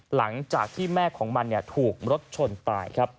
หลังจากที่แม่ของมันถูกรถชนตายครับ